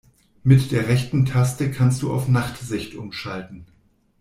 Mit der rechten Taste kannst du auf Nachtsicht umschalten.